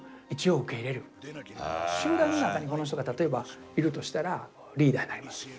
集団の中にこの人が例えばいるとしたらリーダーになります。